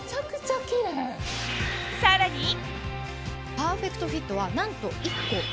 パーフェクトフィットはなんと。